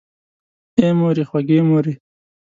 آی مورې خوږې مورې!